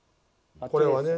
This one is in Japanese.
これはね